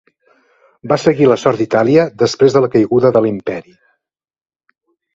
Va seguir la sort d'Itàlia després de la caiguda de l'Imperi.